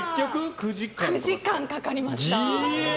９時間かかりました。